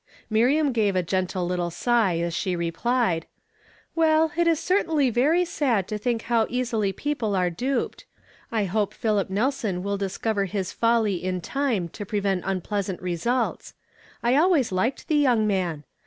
Miriam gave a gentle little sigh as she replied, —" Well, it is certainly very sad to tliiiik how easily people are duped. I hope Philip Nelson will discover his folly in time to prevent unpleas ant results. I always bked the young man.